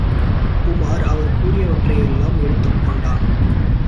உமார் அவர் கூறியவற்றையெல்லாம் ஏற்றுக் கொண்டான்.